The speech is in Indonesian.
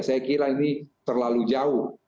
saya kira ini terlalu jauh